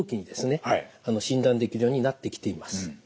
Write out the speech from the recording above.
診断できるようになってきています。